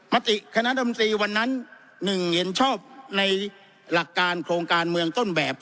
มติคณะดำตรีวันนั้น๑เห็นชอบในหลักการโครงการเมืองต้นแบบ